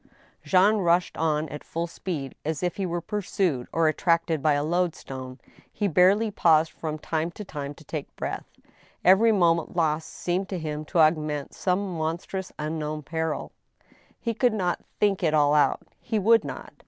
Jean rushed on at full speed, as if he were pursued, or attracted by a loadstone. He barely paused, from time to time, to take breath. Every moment lost seemed to him to augment some monstrous unknown peril. A WAKENED. 93 He could not think it all out^he would not.